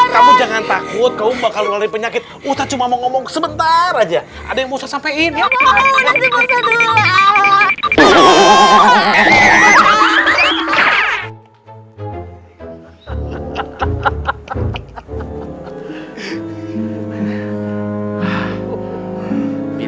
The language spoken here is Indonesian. kamu jangan takut kau bakal penyakit ustadz cuma ngomong sebentar aja ada yang sampai ini